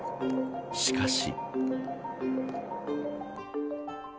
しかし。